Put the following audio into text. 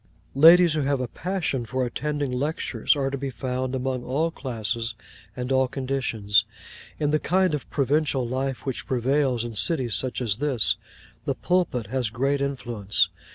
Ladies who have a passion for attending lectures are to be found among all classes and all conditions. In the kind of provincial life which prevails in cities such as this, the Pulpit has great influence.